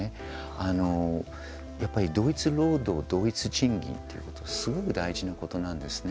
あの、やっぱり同一労働、同一賃金っていうことすごく大事なことなんですね。